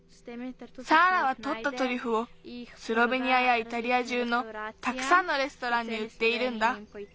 サーラはとったトリュフをスロベニアやイタリア中のたくさんのレストランにうっているんだ。